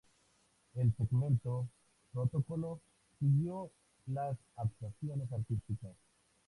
El segmento "Protocolo" siguió las actuaciones artísticas.